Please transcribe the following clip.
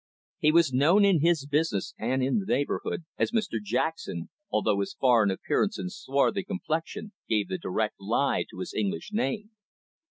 He was known in his business, and in the neighbourhood, as Mr Jackson, although his foreign appearance and swarthy complexion gave the direct lie to his English name.